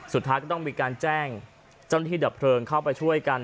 สุดท้ายก็ต้องมีการแจ้งเจ้าหน้าที่ดับเพลิงเข้าไปช่วยกัน